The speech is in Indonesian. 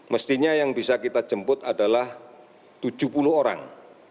mestinya yang bisa kita jemput adalah tujuh puluh orang